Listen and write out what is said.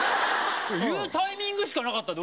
言うタイミングしかなかったで？